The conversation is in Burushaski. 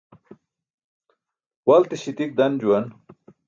Walti śitik dan juwan